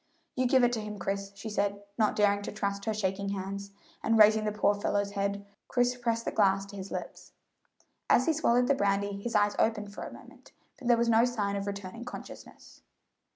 "You give it to him, Chris," she said, not daring to trust her shaking hands; and raising the poor fellow's head, Chris pressed the glass to his lips. As he swallowed the brandy his eyes opened for a moment, but there was no sign of returning consciousness.